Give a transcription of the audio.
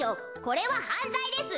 これははんざいです。